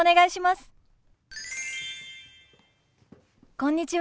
こんにちは。